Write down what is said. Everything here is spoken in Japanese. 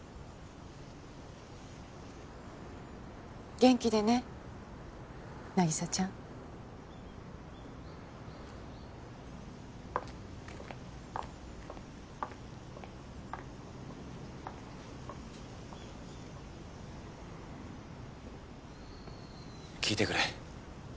元気でね凪沙ちゃん。聞いてくれ。